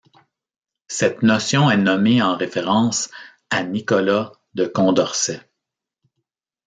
Cette notion est nommée en référence à Nicolas de Condorcet.